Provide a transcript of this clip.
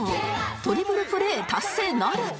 トリプルプレー達成なるか？